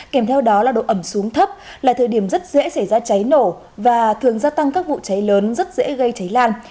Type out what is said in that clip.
kèm theo đó là độ ẩm xuống thấp là thời điểm rất dễ xảy ra cháy nổ và thường gia tăng các vụ cháy lớn rất dễ gây cháy lan